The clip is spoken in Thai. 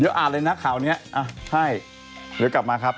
เดี๋ยวอ่านเลยนะข่าวนี้อ่ะใช่เดี๋ยวกลับมาครับ